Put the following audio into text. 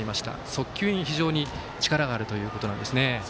速球に非常に力があるということなんですね。